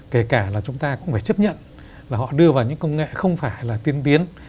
kể cả là chúng ta cũng phải chấp nhận là họ đưa vào những công nghệ không phải là tiên tiến